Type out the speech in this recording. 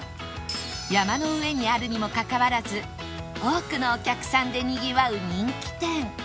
山の上にあるにもかかわらず多くのお客さんでにぎわう人気店